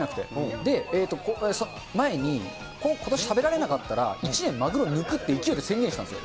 で、前に、ことし食べられなかったら１年マグロ抜くって宣言したんですよ。